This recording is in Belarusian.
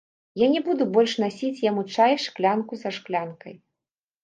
Я не буду больш насіць яму чай шклянку за шклянкай.